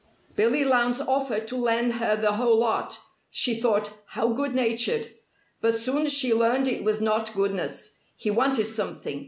Billy Lowndes offered to lend her the whole lot. She thought, how good natured! But soon she learned it was not goodness. He wanted something.